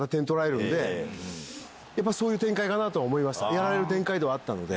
やられる展開ではあったので。